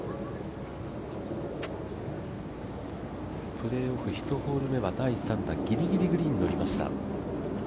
プレーオフ１ホール目は第３打ぎりぎりにグリーンにのりました。